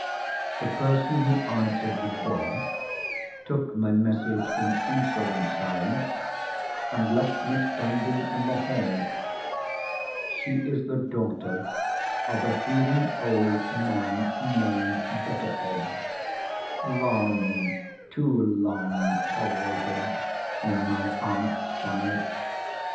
The person who answered the door, took my message in insolent silence, and left me standing in the hall. She is the daughter of a heathen old man named Betteredge—long, too long, tolerated in my aunt's family.